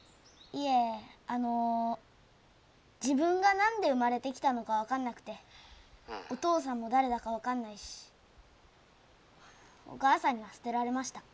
いえあの自分が何で生まれてきたのか分かんなくてお父さんも誰だか分かんないしお母さんには捨てられました。